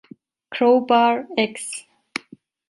Crowbar, ex.